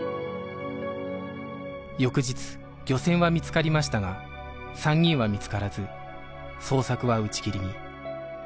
翌日漁船は見つかりましたが３人は見つからず捜索は打ち切りに